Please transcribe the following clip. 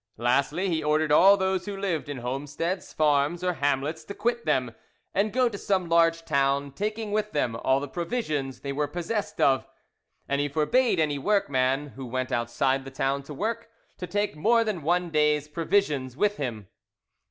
Lastly, he ordered all those who lived in homesteads, farms, or hamlets, to quit them and go to some large town, taking with them all the provisions they were possessed of; and he forbade any workman who went outside the town to work to take more than one day's provisions with him.